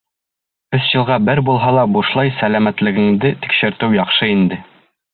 Өс йылға бер булһа ла бушлай сәләмәтлегеңде тикшертеү яҡшы инде.